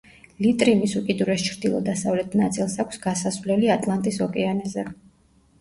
ლიტრიმის უკიდურეს ჩრდილო-დასავლეთ ნაწილს აქვს გასასვლელი ატლანტის ოკეანეზე.